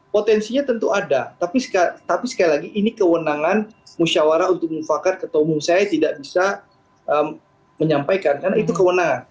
potensinya tentu ada tapi sekali lagi ini kewenangan musyawarah untuk mufakat ketua umum saya tidak bisa menyampaikan karena itu kewenangan